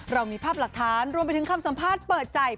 เรามีภาพหลักฐานรวมไปถึงคำสัมภาษณ์เปิดใจ